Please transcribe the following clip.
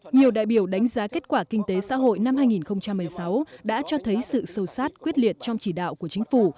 nhiều đại biểu đánh giá kết quả kinh tế xã hội năm hai nghìn một mươi sáu đã cho thấy sự sâu sát quyết liệt trong chỉ đạo của chính phủ